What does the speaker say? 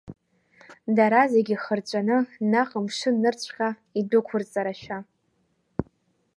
Дара зегьы хырҵәаны наҟ мшын нырцәҟа идәықәрҵарашәа.